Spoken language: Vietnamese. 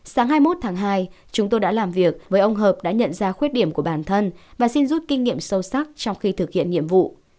sáng hai mươi một tháng hai chúng tôi đã làm việc với ông hợp đã nhận ra khuyết điểm của bản thân và xin rút kinh nghiệm sâu sắc trong khi thực hiện nhiệm vụ